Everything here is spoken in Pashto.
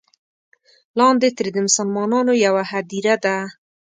لاندې ترې د مسلمانانو یوه هدیره ده.